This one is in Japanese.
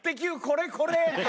これこれ！」と。